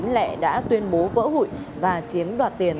lệ đã tuyên bố vỡ hụi và chiếm đoạt tiền